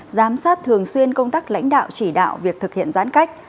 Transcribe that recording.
giám sát thường xuyên công tác lãnh đạo chỉ đạo việc thực hiện giãn cách